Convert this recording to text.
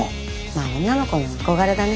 まあ女の子の憧れだね。